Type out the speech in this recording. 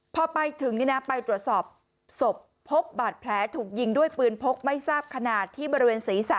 พอไปถึงไปตรวจสอบศพพบบาดแผลถูกยิงด้วยปืนพกไม่ทราบขนาดที่บริเวณศีรษะ